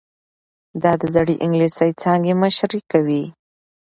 دا د زړې انګلیسي څانګې مشري کوي.